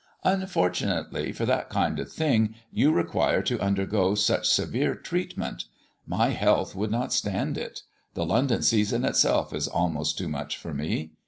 "Unfortunately, for that kind of thing you require to undergo such severe treatment; my health would not stand it; the London season itself is almost too much for me.